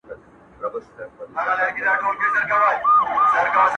شپه كي هم خوب نه راځي جانه زما.